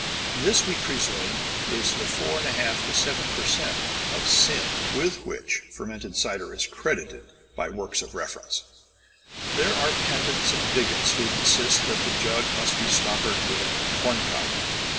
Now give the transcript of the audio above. This, we presume, is the 4 1/2 to 7 per cent of sin with which fermented cider is credited by works of reference. There are pedants and bigots who insist that the jug must be stoppered with a corncob.